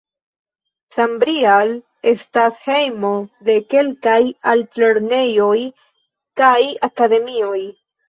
Sambrial estas hejmo de kelkaj altlernejoj kaj akademioj.